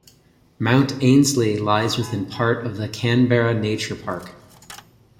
Mount Ainslie lies within part of the Canberra Nature Park.